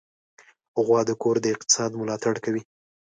غوا د کور د اقتصاد ملاتړ کوي.